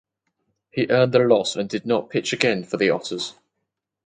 He earned the loss and did not pitch again for the Otters.